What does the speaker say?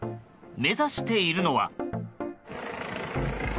目指しているのは。